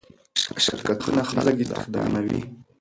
شرکتونه خلک استخداموي.